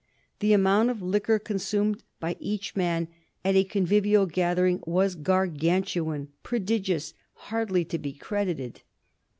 The amount of liquor consumed by each man at a convivial gathering was Gargantuan, prodigious, hardly to be credited.